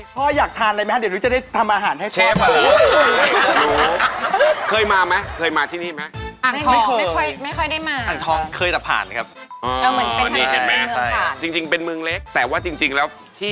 พ่ออยากทานอะไรไหมครับ